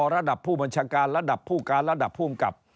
ระดับผู้บัญชาการระดับผู้การระดับภูมิกับ